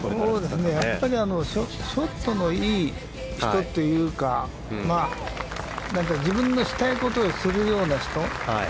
やっぱりショットのいい人っていうか自分のしたいことをするような人。